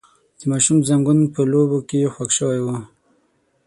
د ماشوم زنګون په لوبو کې خوږ شوی و.